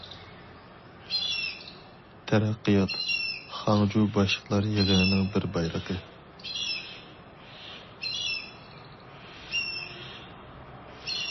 تەرەققىيات- خاڭجۇ باشلىقلار يىغىنىنىڭ بىر بايرىقى.